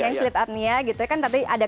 yang sleep apnea gitu kan tadi ada